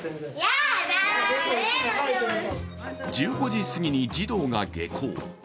１５時すぎに児童が下校。